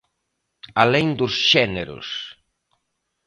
Alén dos xéneros.